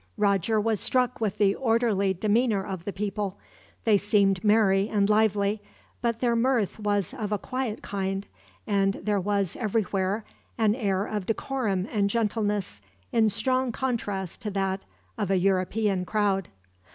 Roger was struck with the orderly demeanor of the people. They seemed merry and lively, but their mirth was of a quiet kind; and there was, everywhere, an air of decorum and gentleness, in strong contrast to that of a European crowd.